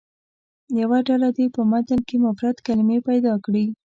یوه ډله دې په متن کې مفرد کلمې پیدا کړي.